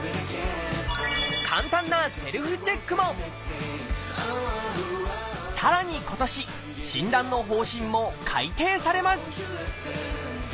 簡単なセルフチェックもさらに今年診断の方針も改訂されます